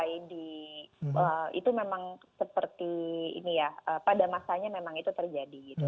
itu memang seperti ini ya pada masanya memang itu terjadi gitu